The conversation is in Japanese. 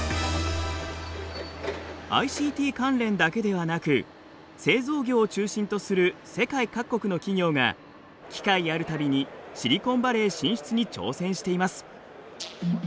ＩＣＴ関連だけではなく製造業を中心とする世界各国の企業が機会あるたびにシリコンヴァレー進出に挑戦しています。